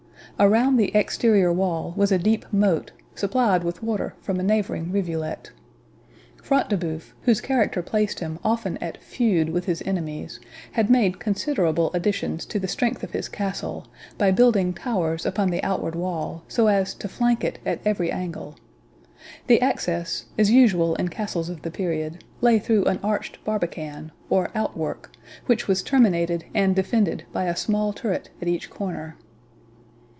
Around the exterior wall was a deep moat, supplied with water from a neighbouring rivulet. Front de Bœuf, whose character placed him often at feud with his enemies, had made considerable additions to the strength of his castle, by building towers upon the outward wall, so as to flank it at every angle. The access, as usual in castles of the period, lay through an arched barbican, or outwork, which was terminated and defended by a small turret at each corner.